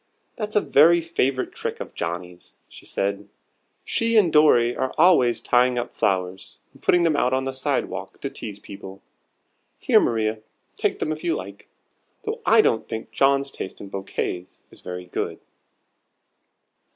"That's a very favorite trick of Johnnie's," she said: "she and Dorry are always tying up flowers, and putting them out on the walk to tease people. Here, Maria, take 'em if you like. Though I don't think John's taste in bouquets is very good."